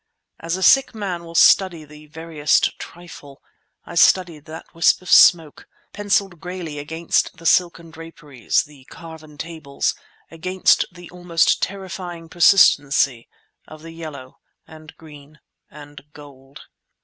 As a sick man will study the veriest trifle I studied that wisp of smoke, pencilled grayly against the silken draperies, the carven tables, against the almost terrifying persistency of the yellow and green and gold.